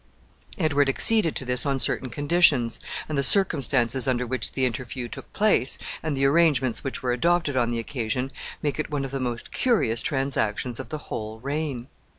Edward acceded to this on certain conditions, and the circumstances under which the interview took place, and the arrangements which were adopted on the occasion, make it one of the most curious transactions of the whole reign.